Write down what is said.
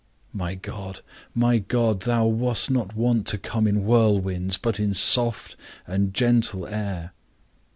My God, my God, thou wast not wont to come in whirlwinds, but in soft and gentle air.